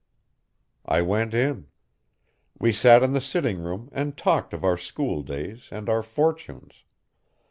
I went in. We sat in the sitting room and talked of our school days and our fortunes.